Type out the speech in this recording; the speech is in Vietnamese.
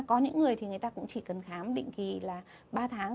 có những người thì người ta cũng chỉ cần khám định kỳ là ba tháng